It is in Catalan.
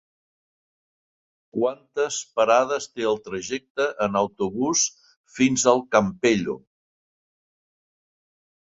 Quantes parades té el trajecte en autobús fins al Campello?